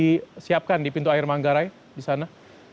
disiapkan di pintu air manggarai disana